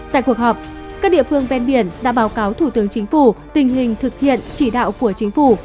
tại cuộc họp các địa phương ven biển đã báo cáo thủ tướng chính phủ tình hình thực hiện chỉ đạo của chính phủ